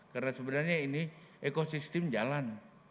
karena sebenarnya ini ekosistem jalan